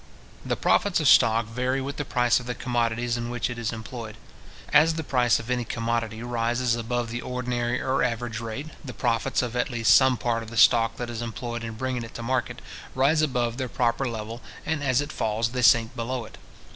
The profits of stock vary with the price of the commodities in which it is employed. As the price of any commodity rises above the ordinary or average rate, the profits of at least some part of the stock that is employed in bringing it to market, rise above their proper level, and as it falls they sink below it.